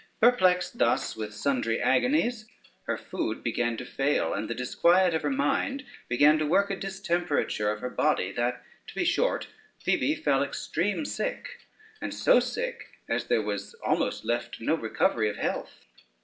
] Perplexed thus with sundry agonies, her food began to fail, and the disquiet of her mind began to work a distemperature of her body, that, to be short, Phoebe fell extreme sick, and so sick as there was almost left no recovery of health.